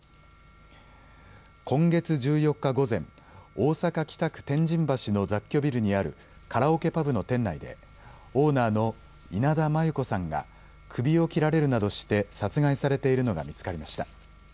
今月１４日午前、大阪北区天神橋の雑居ビルにあるカラオケパブの店内でオーナーの稲田真優子さんが首を切られるなどして殺害されているのが見つかりました。